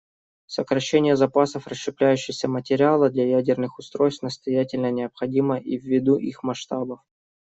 Сокращение запасов расщепляющегося материала для ядерных устройств настоятельно необходимо и ввиду их масштабов.